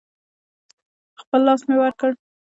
په خپل لاس مې ورکړ.